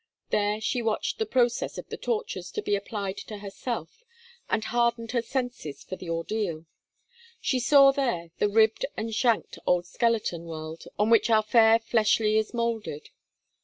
There she watched the process of the tortures to be applied to herself, and hardened her senses for the ordeal. She saw there the ribbed and shanked old skeleton world on which our fair fleshly is moulded.